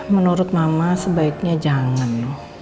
menurut mama sebaiknya jangan